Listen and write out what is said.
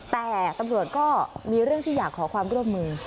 แต่ตำรวจก็มีเรื่องที่อยากขอความร่วมมือ